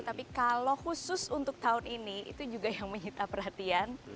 tapi kalau khusus untuk tahun ini itu juga yang menyita perhatian